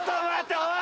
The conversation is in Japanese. おい！